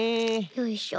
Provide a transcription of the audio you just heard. よいしょ。